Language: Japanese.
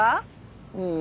うん。